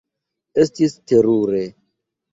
Estis terure.